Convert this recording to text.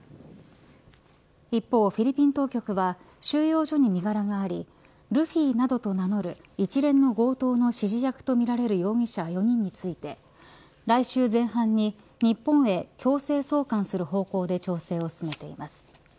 一方、フィリピン当局は収容所に身柄がありルフィなどと名乗る一連の強盗の指示役とみられる容疑者４人について来週前半に日本へ強制送還する方向で調整を進めています。